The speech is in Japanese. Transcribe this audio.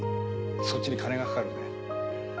そっちにカネがかかるんだよ